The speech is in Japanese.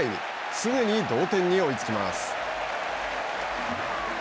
すぐに同点に追いつきます。